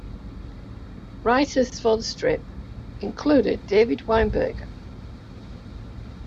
Writers for the strip included David Weinberger.